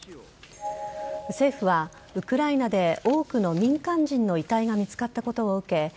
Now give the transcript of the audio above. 政府は、ウクライナで多くの民間人の遺体が見つかったことを受け